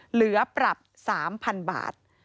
เหลือปรับ๓๐๐๐บาท